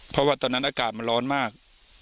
เพราะว่าตอนนั้นอากาศมันร้อนมาก